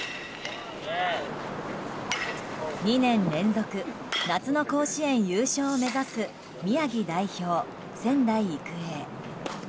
２年連続、夏の甲子園優勝を目指す、宮城代表・仙台育英。